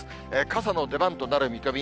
傘の出番となる見込み。